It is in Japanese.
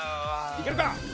いけるか？